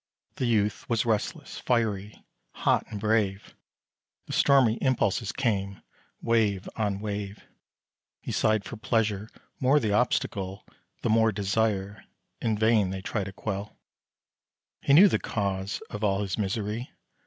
The youth was restless, fiery, hot, and brave; The stormy impulses came, wave on wave. He sighed for pleasure; more the obstacle, The more desire; in vain they try to quell: He knew the cause of all his misery.